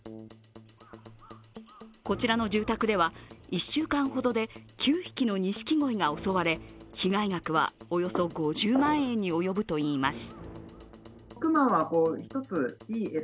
こちらの住宅では１週間ほどで９匹の錦鯉が襲われ被害額はおよそ５０万円に及ぶといいます。